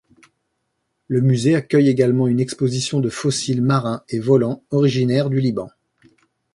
Le musée accueille également une exposition de fossiles marins et volants originaires du Liban.